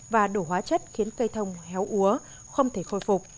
và đổ hóa chất khiến cây thông héo úa không thể khôi phục